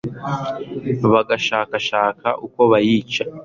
bagashakashaka uko bayica